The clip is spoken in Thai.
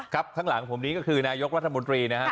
ข้างหลังผมนี้ก็คือนายกรัฐมนตรีนะฮะ